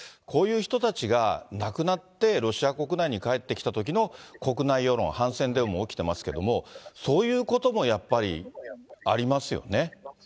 こういう人たちが亡くなってロシア国内に帰ってきたときの国内世論、反戦デモ、起きてますけれども、そういうこともやっぱりあります